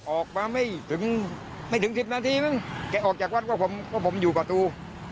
ออกมาไม่ถึง๑๐นาทีแกออกจากวัดก็ผมอยู่ประตู